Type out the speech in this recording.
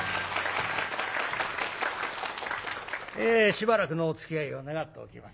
しばらくのおつきあいを願っておきます。